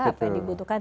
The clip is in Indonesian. apa yang dibutuhkan